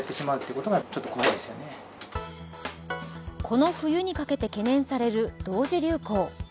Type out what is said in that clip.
この冬にかけて懸念される同時流行。